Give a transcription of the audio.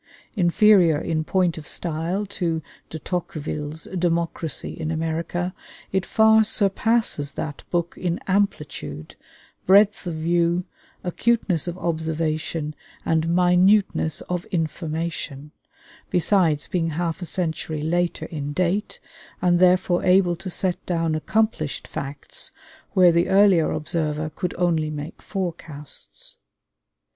Inferior in point of style to De Tocqueville's 'Democracy in America,' it far surpasses that book in amplitude, breadth of view, acuteness of observation, and minuteness of information; besides being half a century later in date, and therefore able to set down accomplished facts where the earlier observer could only make forecasts.